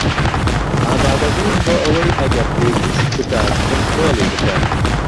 ئامادەبوون بۆ ئەوەی ئەگەر پێویست بکات کۆنترۆڵی بکەن